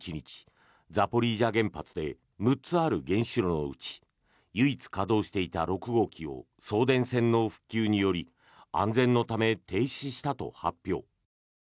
ザポリージャ原発で６つある原子炉のうち唯一稼働していた６号機を送電線の復旧により安全のため停止したと発表。